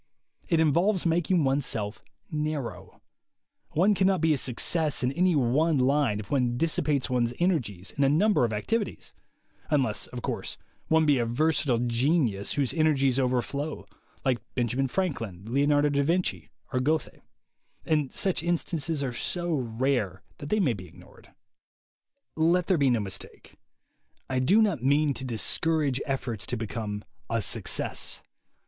It involves making one self narrow; one cannot be a success in any one line if one dissipates one's energies in a number of activities — unless, of course, one be a versatile genius whose energies overflow, like Benjamin Franklin, Leonardo da Vinci, or Goethe — and such instances are so rare that they may be ignored. Let there be no mistake. I do not mean to THE WAY TO WILL POWER 45 discourage efforts to become a Success.